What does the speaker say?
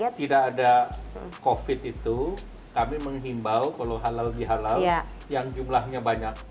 nah untuk tidak ada covid itu kami menghimbau kalau halal dihalal yang jumlahnya banyak